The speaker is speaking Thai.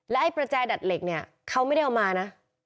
ไอ้ประแจดัดเหล็กเนี่ยเขาไม่ได้เอามานะ